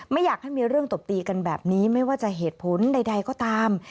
ไม่อยากให้มีเรื่องตบตีกันแบบนี้ไม่ว่าจะเหตุผลใดก็ตาม